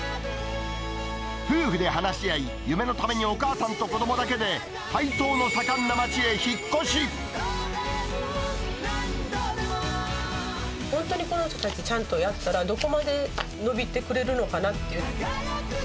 夫婦で話し合い、夢のためにお母さんと子どもだけで、本当にこの人たち、ちゃんとやったら、どこまで伸びてくれるのかなっていう。